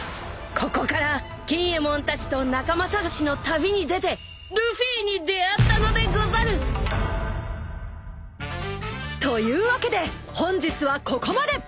［ここから錦えもんたちと仲間捜しの旅に出てルフィに出会ったのでござる！］というわけで本日はここまで！